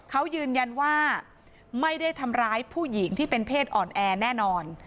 เขายืนยันว่าไม่ได้ทำร้ายผู้หญิงที่เป็นเพศอ่อนแอแน่นอน